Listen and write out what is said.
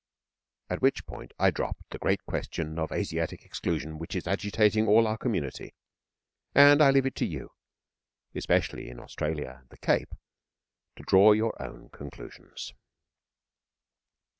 At which point I dropped the Great Question of Asiatic Exclusion which is Agitating all our Community; and I leave it to you, especially in Australia and the Cape, to draw your own conclusions.